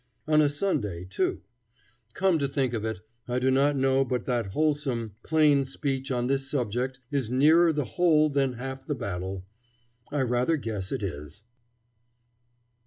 On a Sunday, too. Come to think of it, I do not know but that wholesome, plain speech on this subject is nearer the whole than half the battle. I rather guess it is.